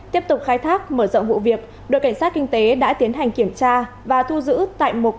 tiếp tục khai thác mở rộng vụ việc đội cảnh sát kinh tế đã tiến hành kiểm tra và thu giữ tại một